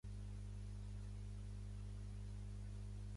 Aquells quatre esquadrons amb base a terra no desplegaven a bord portaavions.